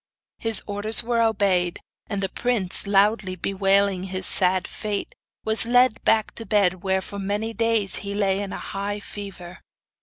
His orders were obeyed, and the prince, loudly bewailing his sad fate, was led back to bed, where for many days he lay in a high fever.